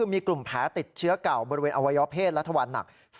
มีกลุ่มแผลติดเชื้อเก่าบริเวณอวัยวะเพศและทวันหนัก